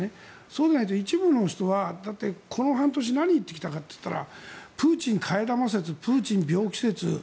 そうでないと一部の人はこの半年何を言ってきたかといったらプーチン替え玉説プーチン病気説。